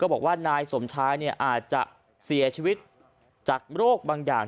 บอกว่านายสมชายอาจจะเสียชีวิตจากโรคบางอย่าง